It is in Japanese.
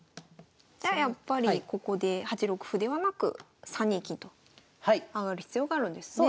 じゃあやっぱりここで８六歩ではなく３二金と上がる必要があるんですね？